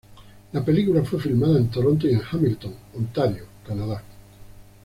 La película fue filmada en Toronto y en Hamilton, Ontario, Canadá.